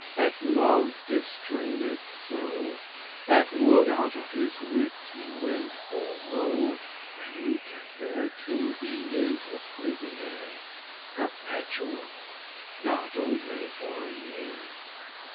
that love distraineth* so, *afflicts That wood* out of his wits he went for woe, *mad And eke thereto he is a prisonere Perpetual, not only for a year.